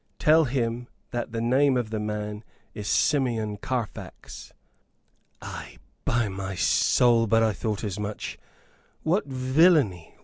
Tell him that the name of the man is Simeon Carfax.'" "Ay, by my soul, but I thought as much. What villainy!